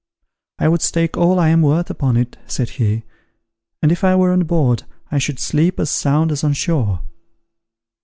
"I would stake all I am worth upon it," said he, "and if I were on board, I should sleep as sound as on shore."